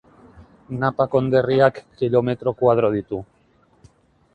Napa konderriak kilometro koadro ditu.